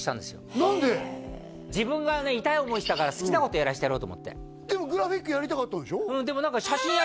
自分がね痛い思いしたから好きなことやらしてやろうと思ってでもグラフィックやりたかったんでしょ？